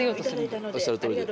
おっしゃるとおりで。